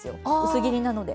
薄切りなので。